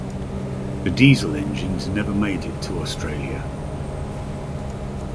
The Diesel engines never made it to Australia.